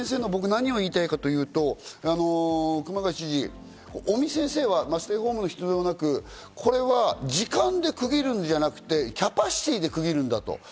僕が何を言いたいかと言いますと熊谷知事、尾身先生はステイホームは必要なく、時間で区切るんじゃなくて、キャパシティーで区切るんだと。